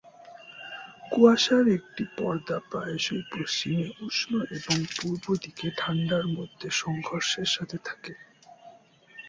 কুয়াশার একটি পর্দা প্রায়শই পশ্চিমে উষ্ণ এবং পূর্ব দিকে ঠান্ডা এর মধ্যে সংঘর্ষের সাথে থাকে।